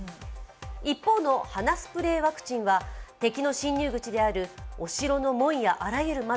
一方の鼻スプレーワクチンは敵の侵入口であるお城の門やあらゆる窓